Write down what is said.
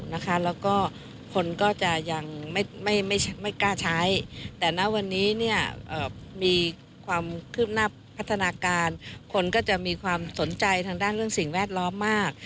และคนก็ไม่กล้าใช้แต่ในวันนี้มีความขึ้นทางพัฒนาการคนจะมีความสนใจทางด้านเรื่องสิ่งแวดล้อมมาก